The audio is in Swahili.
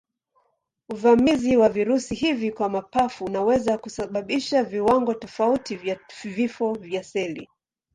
Uvamizi wa virusi hivi kwa mapafu unaweza kusababisha viwango tofauti vya vifo vya seli.